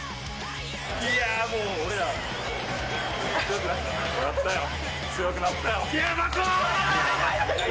いや、もう、俺ら、強くなっなったよ。